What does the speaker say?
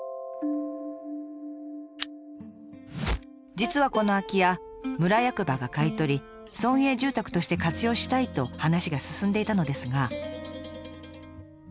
実はこの空き家村役場が買い取り村営住宅として活用したいと話が進んでいたのですが。